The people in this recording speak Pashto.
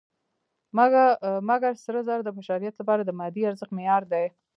مګر سره زر د بشریت لپاره د مادي ارزښت معیار دی.